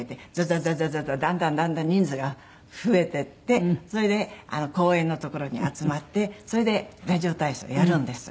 ザザザザだんだんだんだん人数が増えていってそれで公園の所に集まってそれでラジオ体操やるんです。